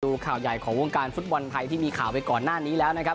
ข่าวใหญ่ของวงการฟุตบอลไทยที่มีข่าวไปก่อนหน้านี้แล้วนะครับ